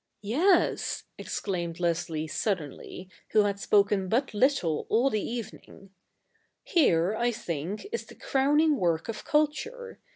' Yes,' exclaimed Leslie suddenly, who had spoken but little all the evening, ' here, I think, is the crowning work of culture.